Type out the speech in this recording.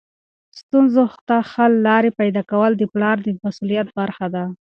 ستونزو ته حل لارې پیدا کول د پلار د مسؤلیت برخه ده.